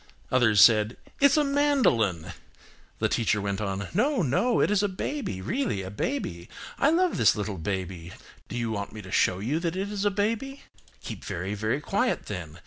Others said, "It's a mandolin." The teacher went on–"No, no, it is a baby, really a baby. I love this little baby. Do you want me to show you that it is a baby? Keep very, very quiet then.